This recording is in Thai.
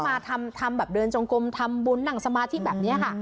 มาทำแบบเดินจงกลมทำบุญนั่งสมาธิแบบนี้ค่ะ